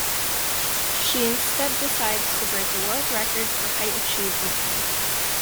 She instead decides to break the world record for height achieved in air.